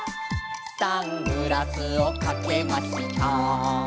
「サングラスをかけました」